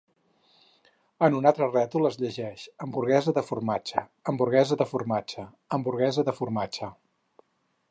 En un altre rètol es llegeix: hamburguesa de formatge, hamburguesa de formatge, hamburguesa de formatge.